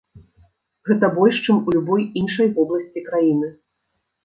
Гэта больш, чым у любой іншай вобласці краіны.